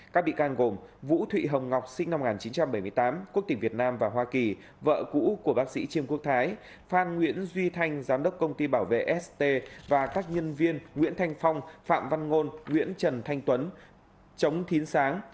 các bị can gồm vũ thị hồng ngọc sinh năm một nghìn chín trăm bảy mươi tám quốc tịch việt nam và hoa kỳ vợ cũ của bác sĩ trương quốc thái phan nguyễn duy thanh giám đốc công ty bảo vệ st và các nhân viên nguyễn thanh phong phạm văn ngôn nguyễn trần thanh tuấn chống thín sáng